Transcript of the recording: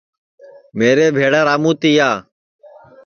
میرے بھیݪا راموں تِیا